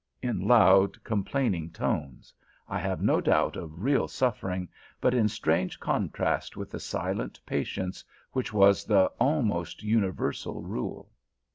in loud, complaining tones, I have no doubt of real suffering, but in strange contrast with the silent patience which was the almost universal rule.